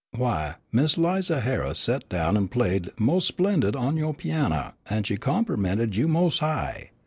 W'y, Miss 'Liza Harris set down an' played mos' splendid on yo' pianna, an' she compermented you mos' high.